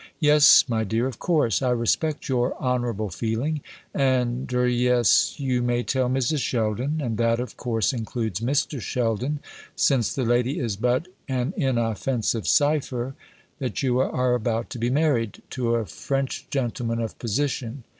"Yes, my dear, of course; I respect your honourable feeling; and er yes you may tell Mrs. Sheldon and that of course includes Mr. Sheldon, since the lady is but an inoffensive cipher that you are about to be married to a French gentleman of position.